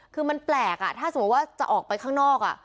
คือมันแปลกถ้าสมมุติว่าจะออกไปข้างนอก